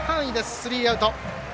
スリーアウト。